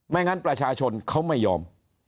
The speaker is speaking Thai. งั้นประชาชนเขาไม่ยอม